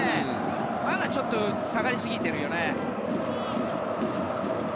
まだちょっと下がりすぎてるよね。